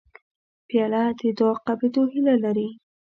پیاله د دعا قبولېدو هیله لري